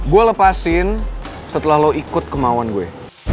gue lepasin setelah lo ikut kemauan gue